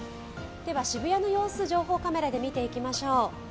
渋谷の様子、情報カメラで見ていきましょう。